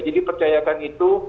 jadi percayakan itu